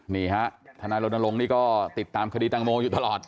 นี่ฮะทนายรณรงค์นี่ก็ติดตามคดีตังโมอยู่ตลอด